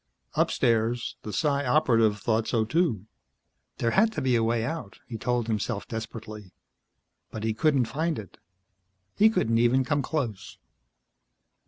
Upstairs, the Psi Operative thought so, too. There had to be a way out, he told himself desperately. But he couldn't find it. He couldn't even come close.